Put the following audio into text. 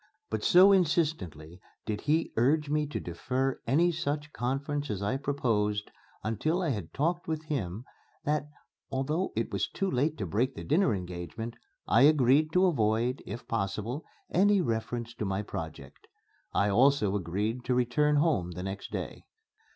But so insistently did he urge me to defer any such conference as I proposed until I had talked with him that, although it was too late to break the dinner engagement, I agreed to avoid, if possible, any reference to my project. I also agreed to return home the next day.